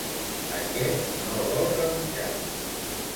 A què no vol rebutjar?